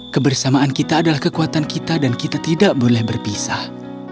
kebersamaan kita adalah kekuatan kita dan kita tidak boleh berpisah